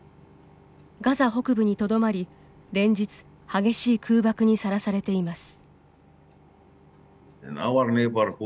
ガザ北部にとどまり、連日激しい空爆にさらされています。